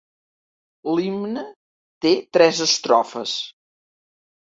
L'himne té tres estrofes.